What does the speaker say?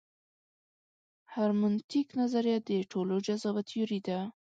هرمنوتیک نظریه تر ټولو جذابه تیوري ده.